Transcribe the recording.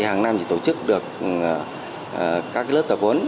hàng năm chỉ tổ chức được các lớp tập huấn